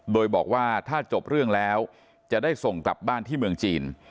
โดยบอกว่าถ้าจบเรื่องแล้วจะได้ส่งกลับบ้านที่เมืองจีน